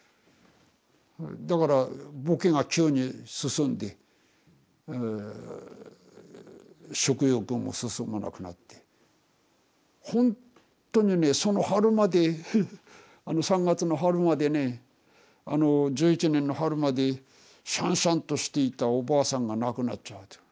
だからぼけが急に進んで食欲も進まなくなってほんとにねその春まで３月の春までね１１年の春までしゃんしゃんとしていたおばあさんが亡くなっちゃうんです。